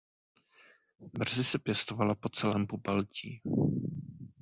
Brzy se pěstovala po celém Pobaltí.